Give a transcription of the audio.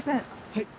はい。